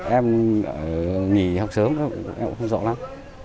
em nghỉ học sớm em cũng không rõ lắm